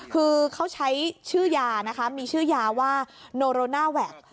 คือเขาใช้ชื่อยานะคะมีชื่อยาว่าโนโรนาแวค